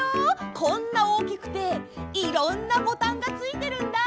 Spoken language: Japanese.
こんなおおきくていろんなボタンがついてるんだ！